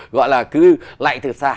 gọi là cứ lại thử xà